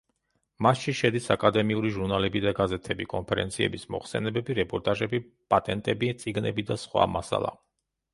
მასში შედის აკადემიური ჟურნალები და გაზეთები, კონფერენციების მოხსენებები, რეპორტაჟები, პატენტები, წიგნები და სხვა მასალა.